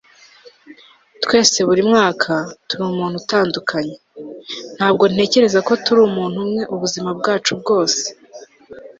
twese buri mwaka, turi umuntu utandukanye. ntabwo ntekereza ko turi umuntu umwe ubuzima bwacu bwose